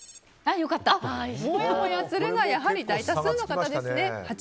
もやもやするが大多数の方ですね。